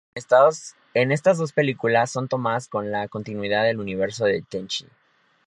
En estas dos películas son tomadas como la continuidad del "Universo de Tenchi".